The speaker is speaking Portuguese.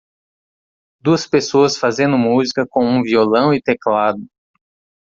Duas pessoas fazendo música com um violão e teclado.